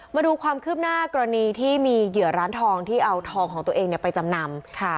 มาดูความคืบหน้ากรณีที่มีเหยื่อร้านทองที่เอาทองของตัวเองไปจำนำ